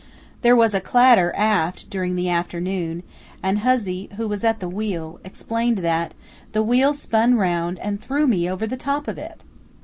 There was a clatter aft during the afternoon, and Hussey, who was at the wheel, explained that "The wheel spun round and threw me over the top of it!"